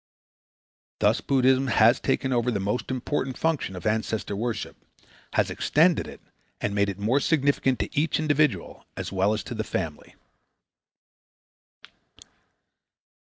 Thus Buddhism has taken over the most important function of ancestor worship, has extended it and made it more significant to each individual as well as to the family.